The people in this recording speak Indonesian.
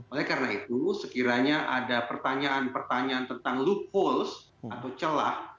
oleh karena itu sekiranya ada pertanyaan pertanyaan tentang loopholes atau celah